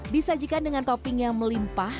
disajikan dengan topping yang melimpah